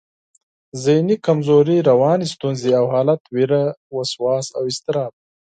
ذهني کمزوري، رواني ستونزې او حالت، وېره، وسواس، اضطراب